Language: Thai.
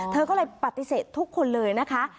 เธอก็เลยปฏิเสธทุกคนเลยนะคะ